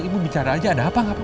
ibu bicara aja ada apa apa